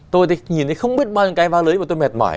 tôi thì nhìn thấy không biết bao nhiêu cái vá lưới mà tôi mệt mỏi